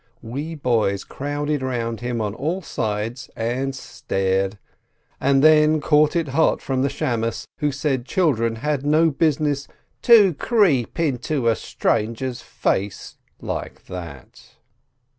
We boys crowded round him on all sides, and stared, and then caught it hot from the beadle, who said children had no business "to creep into a stranger's face" like that.